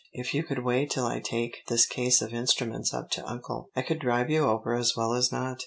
"If you could wait till I take this case of instruments up to Uncle, I could drive you over as well as not.